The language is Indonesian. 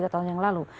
tiga dua tahun yang lalu